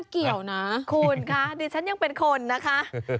มีกลิ่นหอมกว่า